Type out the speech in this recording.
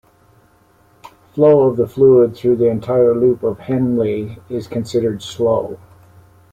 Flow of the fluid through the entire loop of Henle is considered slow.